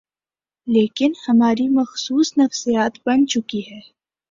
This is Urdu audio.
لیکن ہماری مخصوص نفسیات بن چکی ہے۔